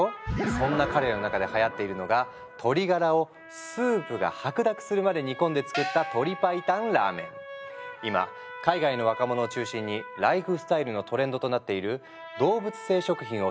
そんな彼らの中ではやっているのが鶏ガラをスープが白濁するまで煮込んで作った今海外の若者を中心にライフスタイルのトレンドとなっている「動物性食品を食べない」